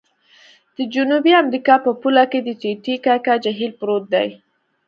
د جنوبي امریکا په پوله کې د ټې ټې کاکا جهیل پروت دی.